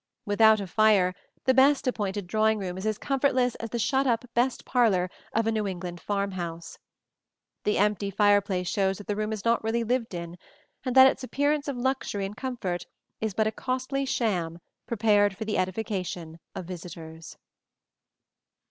Without a fire, the best appointed drawing room is as comfortless as the shut up "best parlor" of a New England farm house. The empty fireplace shows that the room is not really lived in and that its appearance of luxury and comfort is but a costly sham prepared for the edification of visitors.